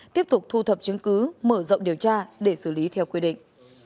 tiếp tục thu thập chứng cứ mở rộng điều tra để xử lý theo quy định